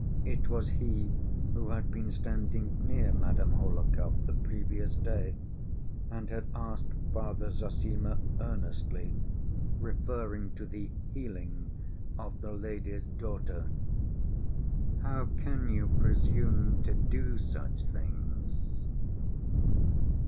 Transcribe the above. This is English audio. It was he who had been standing near Madame Hohlakov the previous day and had asked Father Zossima earnestly, referring to the "healing" of the lady's daughter, "How can you presume to do such things?"